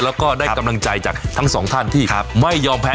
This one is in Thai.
แล้วก็ได้กำลังใจจากทั้งสองท่านที่ไม่ยอมแพ้